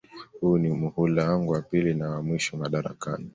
Huu ni muhula wangu wa pili na wa mwisho madarakani